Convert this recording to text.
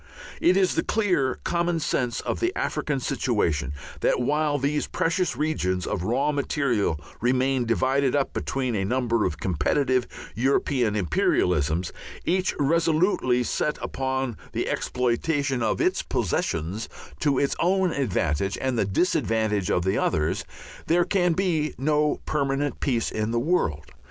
It is the clear common sense of the African situation that while these precious regions of raw material remain divided up between a number of competitive European imperialisms, each resolutely set upon the exploitation of its "possessions" to its own advantage and the disadvantage of the others, there can be no permanent peace in the world.